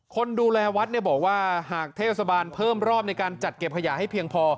คนดูแลวัดบอกว่าหากเทศบาลเพิ่มรอบในการจัดเก็บขยะให้เพียงพอ